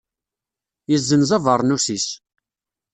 Yezzenz abernus-is.